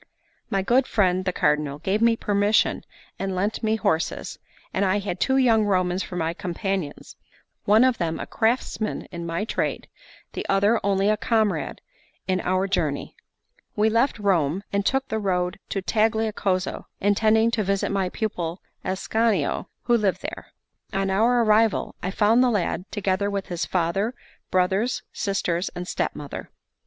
My good friend the Cardinal gave me permission and lent me horses; and I had two young Romans for my companions, one of them a craftsman in my trade, the other only a comrade in our journey. We left Rome, and took the road to Tagliacozzo, intending to visit my pupil Ascanio, who lived there. On our arrival, I found the lad, together with his father, brothers, sisters, and stepmother.